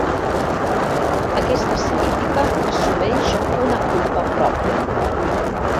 Aquesta semítica assumeix una culpa pròpia.